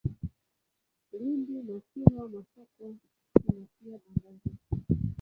Lindi na Kilwa Masoko kuna pia bandari.